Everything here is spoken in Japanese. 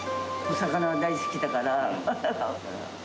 魚が大好きだから。